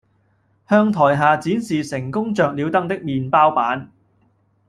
向台下展示成功着了燈的麵包板